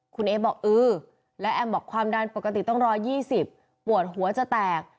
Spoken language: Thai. คุณเอ๊บอกเออแล้วแอมบอกความดันปกติต้องรอ๒๐ปวดหัวจะแตก